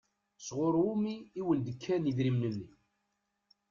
Sɣur wumi i wen-d-kan idrimen-nni?